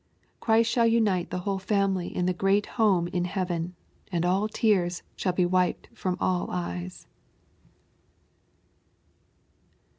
Christ shall unite the whole family in the great home in heaven, and all tears shall be wiped from all eyes.